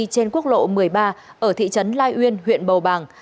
trên quốc lộ một mươi ba ở thị trấn lai uyên huyện bầu bàng